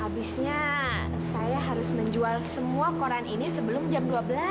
habisnya saya harus menjual semua koran ini sebelum jam dua belas